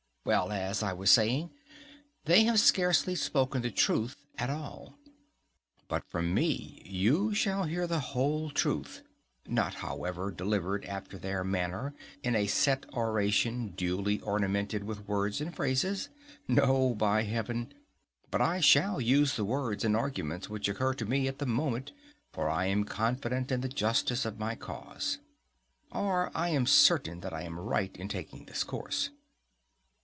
Well, as I was saying, they have scarcely spoken the truth at all; but from me you shall hear the whole truth: not, however, delivered after their manner in a set oration duly ornamented with words and phrases. No, by heaven! but I shall use the words and arguments which occur to me at the moment; for I am confident in the justice of my cause (Or, I am certain that I am right in taking this course.)